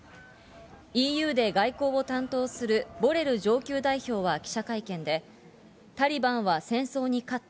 ＥＵで外交を担当するボレル上級代表は記者会見で、タリバンは戦争に勝った。